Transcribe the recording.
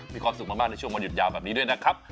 มีความสุขมากในช่วงวันหยุดยาวแบบนี้ด้วยนะครับ